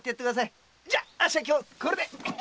じゃあっしは今日はこれで。